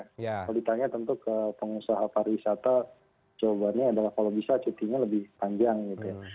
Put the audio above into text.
kalau ditanya tentu ke pengusaha pariwisata jawabannya adalah kalau bisa cutinya lebih panjang gitu ya